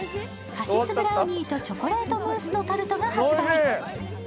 カシスブラウニーとチョコレートムースのタルトが発売。